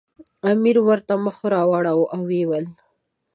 امیر ورته مخ راواړاوه او ویې ویل.